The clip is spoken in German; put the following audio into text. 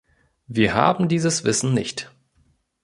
Wir haben dieses Wissen nicht.